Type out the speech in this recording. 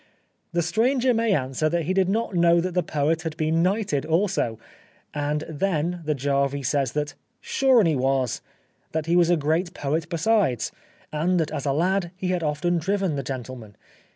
The stranger may answer that he did not know that the poet had been knighted also, and then the jarvey says that " Sure and he was," that he was a great poet besides, and that as a lad, he had often driven the gentleman.